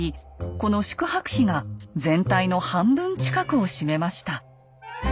この宿泊費が全体の半分近くを占めました。